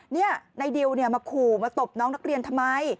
นี่นายดิวมาขู่มาตบน้องนักเรียนทำไม